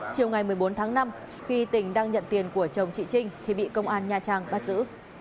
chiều ngày một mươi bốn tháng năm khi tỉnh đang nhận tiền của chồng chị trinh thì bị công an nha trang bắt giữ